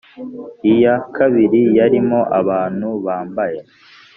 iya kabiri yarimo abantu bambaye